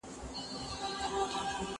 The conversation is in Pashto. یو صوفي یو قلندر سره یاران وه